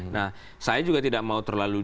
nah saya juga tidak mau terlalu